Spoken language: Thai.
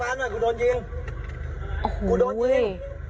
กูโดนยิงโอ้โหเว้ย